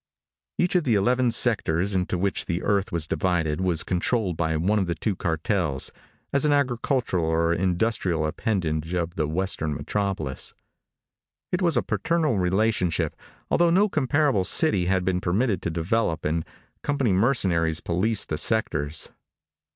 Each of the eleven sectors into which the Earth was divided was controlled by one of the two cartels, as an agricultural or industrial appendage of the western metropolis. It was a paternal relationship, although no comparable city had been permitted to develop and company mercenaries policed the sectors.